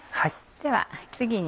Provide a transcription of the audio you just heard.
では次に。